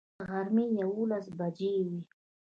د غرمې یوولس بجې وې.